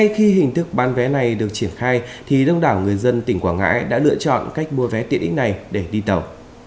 khi hình thức bán vé này được triển khai thì đông đảo người dân tỉnh quảng ngãi đã lựa chọn cách mua vé tiện ích này để đi tàu